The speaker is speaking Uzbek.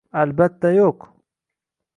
Albatta, yo‘q.